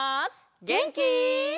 げんき？